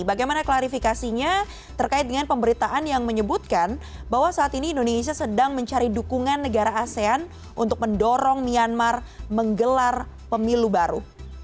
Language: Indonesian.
bagaimana klarifikasinya terkait dengan pemberitaan yang menyebutkan bahwa saat ini indonesia sedang mencari dukungan negara asean untuk mendorong myanmar menggelar pemilu baru